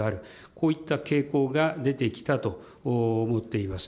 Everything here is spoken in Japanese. こういった傾向が出てきたと思っています。